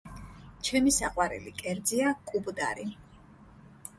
ჩემი საყვარელი კერძია კუბდარი.